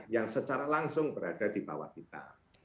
yang secara langsung berada di bawah kita